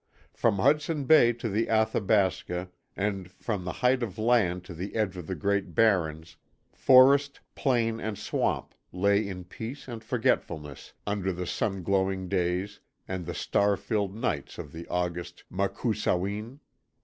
From Hudson Bay to the Athabasca and from the Hight of Land to the edge of the Great Barrens, forest, plain, and swamp lay in peace and forgetfulness under the sun glowing days and the star filled nights of the August MUKOO SAWIN.